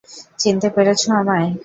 চিনতে পেরেছো আমায়?